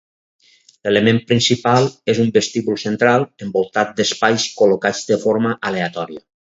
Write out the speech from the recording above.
L’element principal és un vestíbul central, envoltat d’espais col·locats de forma aleatòria.